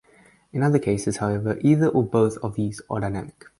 In other cases, however, either or both of these are dynamic.